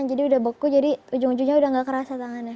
jadi udah beku jadi ujung ujungnya udah gak kerasa tangannya